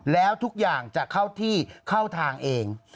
แล้วทุกอย่างจะเข้าที่เข้าทางเอง